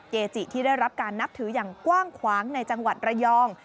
เกจิที่ได้รับการนับถืออย่างกว้างขวางในจังหวัดระยอง